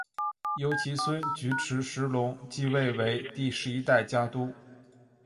由其孙菊池时隆继位为第十一代家督。